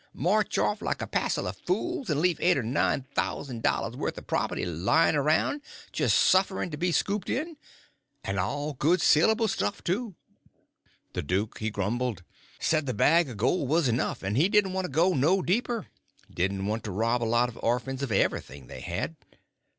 March off like a passel of fools and leave eight or nine thous'n' dollars' worth o' property layin' around jest sufferin' to be scooped in?—and all good, salable stuff, too." The duke he grumbled; said the bag of gold was enough, and he didn't want to go no deeper—didn't want to rob a lot of orphans of everything they had.